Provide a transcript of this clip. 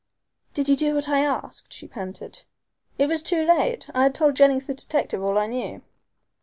"Did you do what I asked?" she panted. "It was too late. I had told Jennings the detective all I knew."